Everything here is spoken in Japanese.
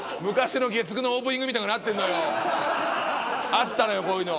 あったのよこういうの。